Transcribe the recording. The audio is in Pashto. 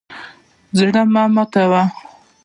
زړه مه ماتوه.